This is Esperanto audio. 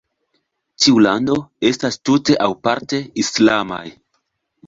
Tiu landoj estas tute aŭ parte islamaj.